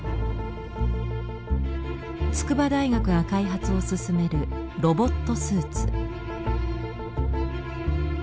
筑波大学が開発を進めるロボット・スーツ。